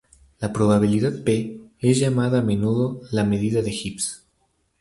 La probabilidad P es llamada a menuda la medida de Gibbs.